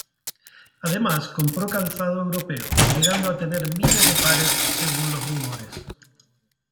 Además compró calzado europeo, llegando a tener miles de pares según los rumores.